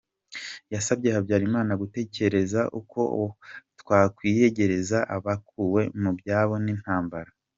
Yasabye Habyarimana gutekereza uko “twakwiyegereza” abakuwe mu byabo n’intambara.